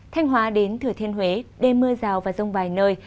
thanh hóa đến thừa thiên huế đêm mưa rào và rông vài nơi